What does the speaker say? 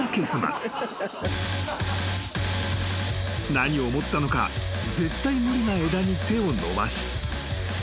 ［何を思ったのか絶対無理な枝に手を伸ばし］